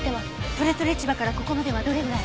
とれとれ市場からここまではどれぐらい？